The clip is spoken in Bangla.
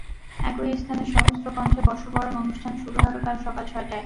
একই স্থানে সহস্র কণ্ঠে বর্ষবরণ অনুষ্ঠান শুরু হবে কাল সকাল ছয়টায়।